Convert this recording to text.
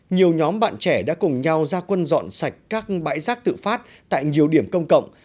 nhiều nhóm bạn trẻ đã cùng nhau ra quân dọn sạch các bãi rác tự phát tại nhiều điểm công cộng